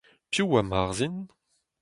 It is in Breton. Piv oa Marzhin ?